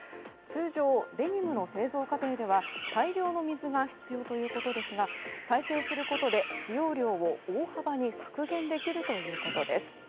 通常、デニムの製造過程では大量の水が必要ということですが再生することで使用量を大幅に削減できるということです。